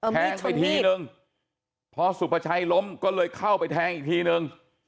แทงไปทีนึงพอสุภาชัยล้มก็เลยเข้าไปแทงอีกทีนึง